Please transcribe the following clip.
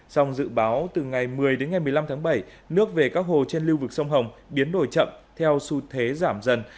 sông dự báo từ ngày một mươi đến ngày một mươi năm tháng bảy nước về các hồ trên lưu vực sông hồng biến đổi chậm theo xu thế giảm dần